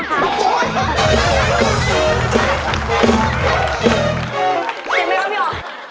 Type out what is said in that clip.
เจ็บมั้ยว่ะพี่หว่ะ